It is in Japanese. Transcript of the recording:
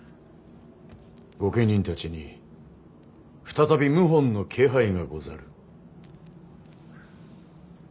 御家人たちに再び謀反の気配がござる。